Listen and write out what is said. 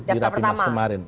di rapi mas kemarin